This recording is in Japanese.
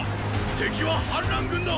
敵は反乱軍だ！